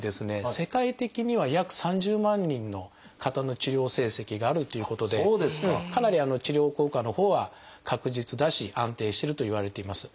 世界的には約３０万人の方の治療成績があるっていうことでかなり治療効果のほうは確実だし安定してるといわれています。